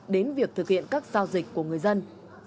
đến việc thực hiện các giao dịch của người dân